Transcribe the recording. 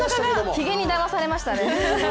ひげにだまされましたね。